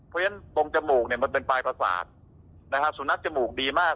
เพราะฉะนั้นตรงจมูกเนี่ยมันเป็นปลายประสาทสุนัขจมูกดีมาก